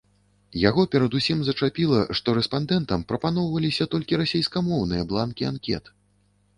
Яго перадусім зачапіла, што рэспандэнтам прапаноўваліся толькі расейскамоўныя бланкі анкет.